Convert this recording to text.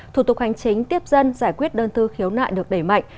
thủ tục hành chính tiếp dân giải quyết đơn thư khiếu nại được đẩy mạnh